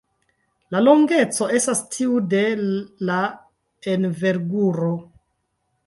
La longeco estas tiu de la enverguro.